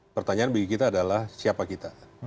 pertanyaan bagi kita adalah siapa kita